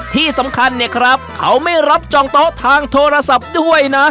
ที่สำคัญเนี่ยครับเขาไม่รับจองโต๊ะทางโทรศัพท์ด้วยนะ